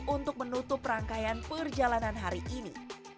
untuk menutup rangkaian perjalanan hari ini